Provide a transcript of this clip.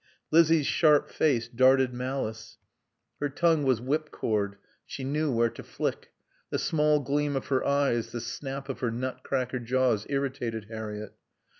Lizzie's sharp face darted malice; her tongue was whipcord; she knew where to flick; the small gleam of her eyes, the snap of her nutcracker jaws irritated Harriett.